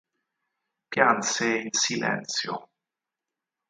Pianse in silenzio.